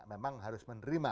memang harus menerima